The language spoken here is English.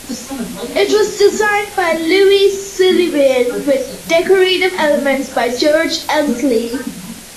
It was designed by Louis Sullivan with decorative elements by George Elmslie.